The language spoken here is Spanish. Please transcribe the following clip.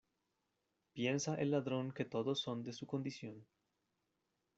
Piensa el ladrón que todos son de su condición.